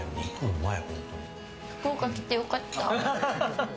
福岡来て良かった。